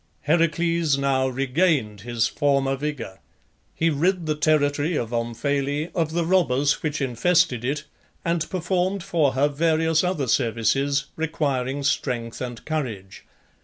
Heracles now regained his former vigour. He rid the territory of Omphale of the robbers which infested it and performed for her various other services requiring strength and courage.